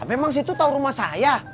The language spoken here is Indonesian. emang situ tau rumah saya